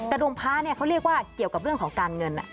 ดวงพระเนี่ยเขาเรียกว่าเกี่ยวกับเรื่องของการเงิน